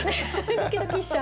ドキドキしちゃう。